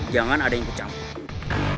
jangan ada yang ikut campur